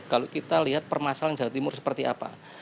kalau kita lihat permasalahan jawa timur seperti apa